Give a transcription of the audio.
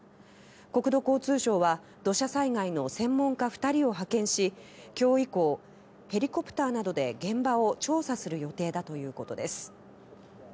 国土交通省は土砂災害の専門家２人を派遣し今日以降、ヘリコプターなどで現場を調査する予定だということです。